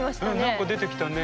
何か出てきたね。